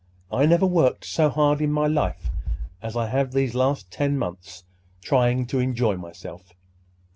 —I never worked so hard in my life as I have the last ten months trying to enjoy myself.